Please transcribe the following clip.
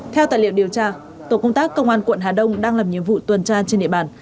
theo tài liệu điều tra tổ công tác công an quận hà đông đang làm nhiệm vụ tuần tra trên địa bàn